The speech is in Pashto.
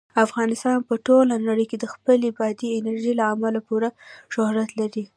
افغانستان په ټوله نړۍ کې د خپلې بادي انرژي له امله پوره شهرت لري.